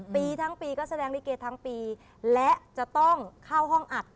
ปีทั้งปีก็แสดงลิเกทั้งปีและจะต้องเข้าห้องอัด